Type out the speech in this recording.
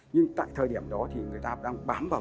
nhưng tại thời điểm đó thì người ta đang bám vào